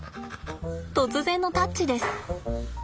突然のタッチです。